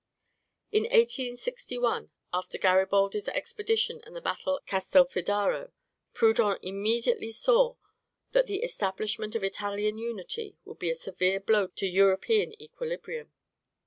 In 1861, after Garibaldi's expedition and the battle of Castelfidardo, Proudhon immediately saw that the establishment of Italian unity would be a severe blow to European equilibrium.